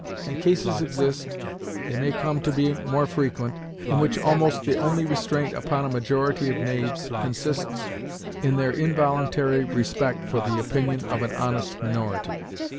And cases exist they may come to be more frequent in which almost the only restraint upon a majority of knaves consists in their involuntary respect for the opinion of an honest minority.